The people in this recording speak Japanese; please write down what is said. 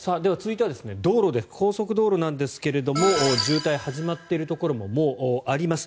では、高速道路なんですが渋滞が始まっているところももうあります。